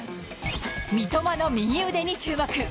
三笘の右腕に注目。